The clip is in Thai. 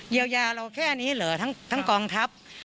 ยาวยาเราแค่นี้เหรอทั้งกองทัพ